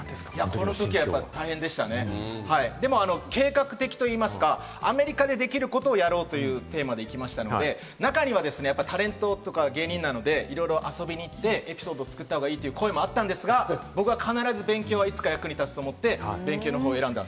このときは大変でしたね、計画的といいますか、アメリカでできることをやろうとテーマに行きましたので、中にはタレントとか芸人なんで、いろいろ遊びに行ってエピソードを作った方がいいという声もあったんですが、僕は必ず勉強はいつか役に立つと思って勉強の方を選んだ。